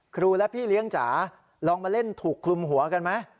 ครูและพี่เลี้ยงจ๋าลองมาเล่นถูกคลุมหัวกันไหม